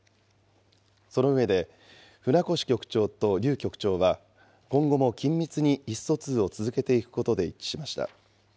その上で、船越局長と劉局長は、今後も緊密に意思疎通を続けていくことで一致しました。